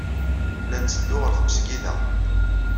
La netteddu ɣer tmesgida.